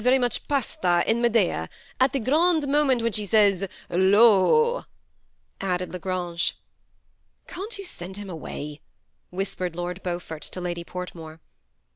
Terjr mach Pasta, in Medea, at that grand moment when she sajs ^ lo !'" added La Grange. Can't yon send him away ?" whispered Lord Beaa fort to Lady Portmore.